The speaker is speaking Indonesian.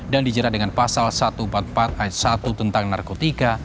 dan dijerat dengan pasal satu ratus empat puluh empat h satu tentang narkotika